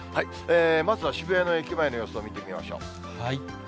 まずは渋谷の駅前の様子を見てみましょう。